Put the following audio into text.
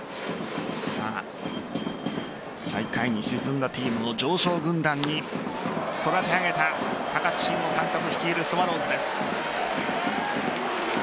最下位に沈んだチームを常勝軍団に育て上げた、高津臣吾監督率いるスワローズです。